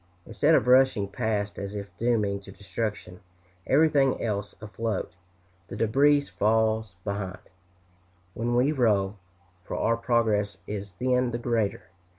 Instead of rushing past as if dooming to destruction everything else afloat, the debris falls behind, when we row, for our progress is then the greater.